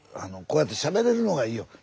こうやってしゃべれるのがいいよ。